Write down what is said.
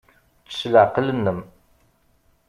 Ečč s leɛqel-nnem.